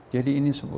jadi ini suatu